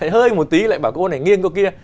hơi một tí lại bảo cô này nghiêng cô kia